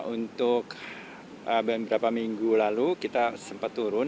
untuk beberapa minggu lalu kita sempat turun